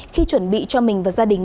khi chuẩn bị cho mình và gia đình